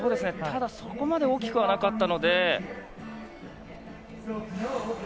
ただ、そこまでは大きくなかったので。